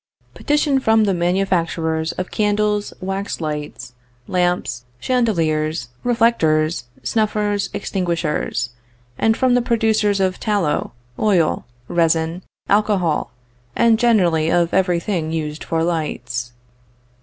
PETITION FROM THE MANUFACTURERS OF CANDLES, WAX LIGHTS, LAMPS, CHANDELIERS, REFLECTORS, SNUFFERS, EXTINGUISHERS; AND FROM THE PRODUCERS OF TALLOW, OIL, RESIN, ALCOHOL, AND GENERALLY OF EVERY THING USED FOR LIGHTS.